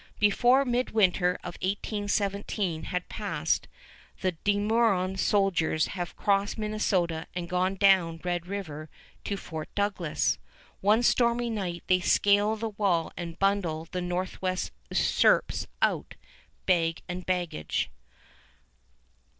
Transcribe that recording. Before midwinter of 1817 has passed, the De Meuron soldiers have crossed Minnesota and gone down Red River to Fort Douglas. One stormy night they scale the wall and bundle the Northwest usurpers out, bag and baggage.